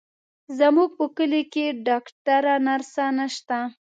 زموږ په کلي کې ډاکتره، نرسه نشته،